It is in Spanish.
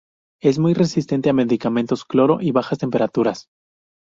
Es muy resistente a medicamentos, cloro, y bajas temperaturas.